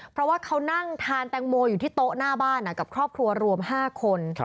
เพราะว่าเขานั่งทานแตงโมอยู่ที่โต๊ะหน้าบ้านกับครอบครัวรวม๕คน